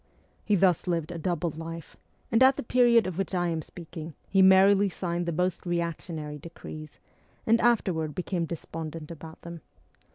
He thus lived a double life, and at the period of which I am speaking he merrily signed the most reactionary decrees, and afterward became de spondent about them.